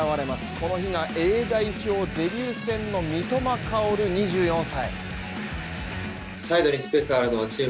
この日がＡ代表デビュー戦の三笘薫２４歳。